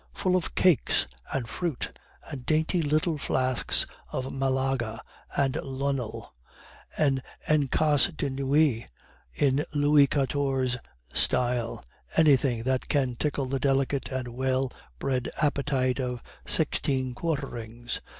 Full of cakes, and fruit, and dainty little flasks of Malaga and Lunel; an en cas de nuit in Louis Quatorze's style; anything that can tickle the delicate and well bred appetite of sixteen quarterings.